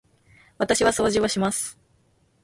私は掃除をします。